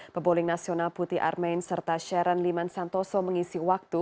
peboling nasional putih armain serta sharon liman santoso mengisi waktu